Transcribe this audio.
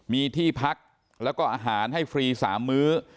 มีที่พักแล้วก็อาหารให้ฟรี๓มื้อ